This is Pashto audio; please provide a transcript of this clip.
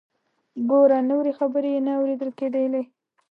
ګوره…. نورې خبرې یې نه اوریدل کیدلې.